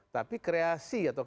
tapi kreasi atau kreativitasnya